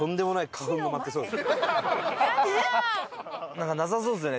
なんかなさそうですね